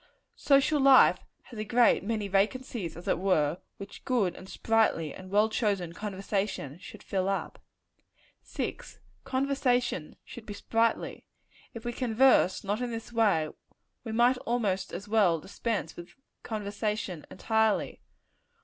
Social life has a great many vacancies, as it were, which good, and sprightly, and well chosen conversation should fill up. 6. Conversation should be sprightly. If we converse not in this way, we might almost as well dispense with conversation entirely.